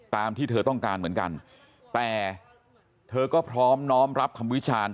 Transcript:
ตามที่เธอต้องการเหมือนกันแต่เธอก็พร้อมน้อมรับคำวิจารณ์